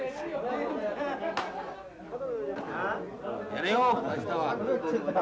やれよ明日は。